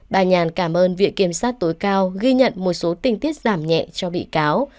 bà nhàn cảm ơn viện kiểm sát tối cao ghi nhận một số tình tiết giảm nhẹ cho bị cáo